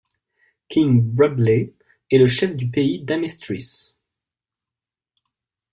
King Bradley est le chef du pays d'Amestris.